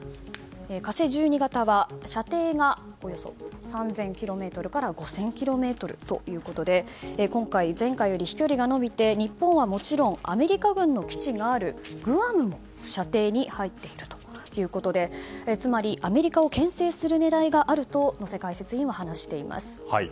「火星１２型」は射程がおよそ３０００ｋｍから５０００ｋｍということで今回、前回より飛距離が伸びて日本はもちろんアメリカ軍の基地があるグアムも射程に入っているということでつまりアメリカを牽制する狙いがあると能勢解説委員は話しています。